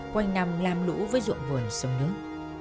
quanh nằm làm lũ với ruộng vườn sông nước